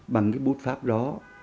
bằng cái bút pháp đó